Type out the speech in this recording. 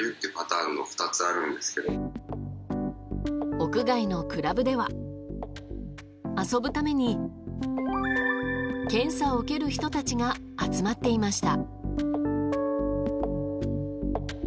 屋外のクラブでは遊ぶために検査を受ける人たちが集まっていました。